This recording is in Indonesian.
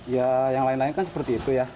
ya yang lain lain kan seperti itu ya